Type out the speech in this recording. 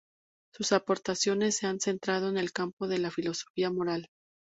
Sus aportaciones se han centrado en el campo de la filosofía moral.